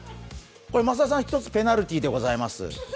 これ、増田さん、１つペナルティーでございます。